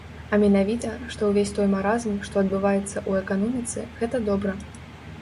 А менавіта, што ўвесь той маразм, што адбываецца ў эканоміцы, гэта добра.